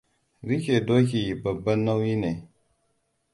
Rike doki babban nauyi ne.